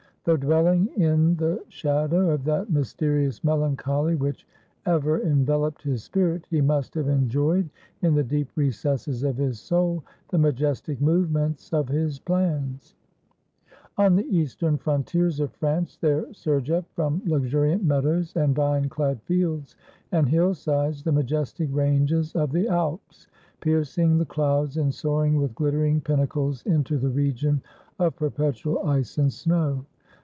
Though dwelling in the shadow of that mysterious melancholy which ever enveloped his spirit, he must have enjoyed in the deep recesses of his soul the majestic movements of his plans. 114 WHEN NAPOLEON CROSSED THE ALPS On the eastern frontiers of France there surge up, from luxuriant meadows and vine clad fields and hill sides, the majestic ranges of the Alps, piercing the clouds, and soaring with ghttering pinnacles into the region of perpetual ice and snow.